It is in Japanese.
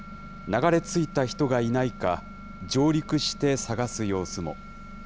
流れ着いた人がいないか、上陸して捜す様子も。